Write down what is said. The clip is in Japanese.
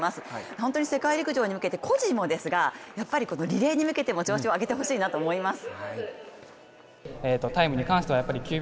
本当に世界陸上に向けて個人もですが、リレーに向けても調子を上げてほしいなと思います。